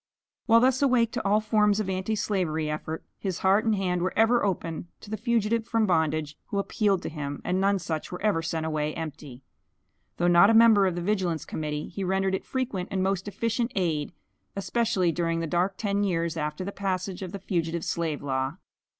While thus awake to all forms of anti slavery effort, his heart and hand were ever open to the fugitive from bondage, who appealed to him, and none such were ever sent away empty. Though not a member of the Vigilance Committee, he rendered it frequent and most efficient aid, especially during the dark ten years after the passage of the Fugitive Slave Law.